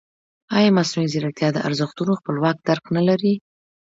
ایا مصنوعي ځیرکتیا د ارزښتونو خپلواک درک نه لري؟